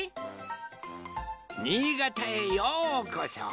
「にいがたへようこそ」。